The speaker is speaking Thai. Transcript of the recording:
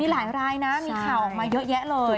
หลายรายนะมีข่าวออกมาเยอะแยะเลย